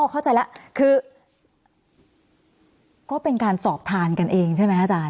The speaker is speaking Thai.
เข้าใจแล้วคือก็เป็นการสอบทานกันเองใช่ไหมอาจารย